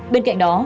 bên cạnh đó